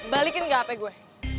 balikin gak hape gue